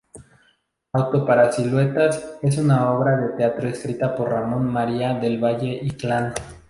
Auto para siluetas es una obra de teatro escrita por Ramón María del Valle-Inclán.